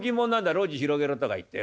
『路地広げろ』とか言ってよ。